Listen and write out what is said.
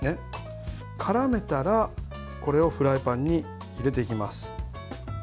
からめたら、これをフライパンに入れていきます。